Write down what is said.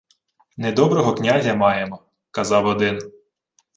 — Недоброго князя маємо, — казав один.